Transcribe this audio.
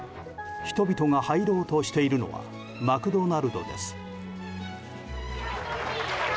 人々が入ろうとしているのはマクドナルドです。